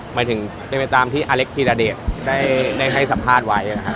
หมายถึงเป็นไปตามที่อเล็กธีรเดชได้ให้สัมภาษณ์ไว้นะครับ